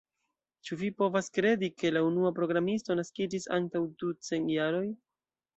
Ĉu vi povas kredi, ke la unua programisto naskiĝis antaŭ ducent jaroj?